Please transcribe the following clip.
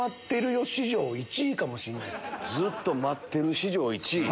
ずっと待ってる史上１位！